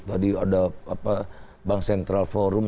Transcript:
tadi ada bank central forum